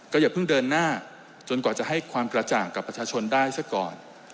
อย่าเพิ่งเดินหน้าจนกว่าจะให้ความกระจ่างกับประชาชนได้ซะก่อน